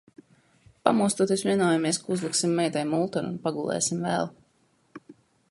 Pamostoties vienojamies, ka uzliksim meitai multeni un pagulēsim vēl.